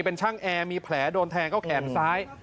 เป็นช่างแอร์มีแผลโดนแทงเข้าแขนซ้าย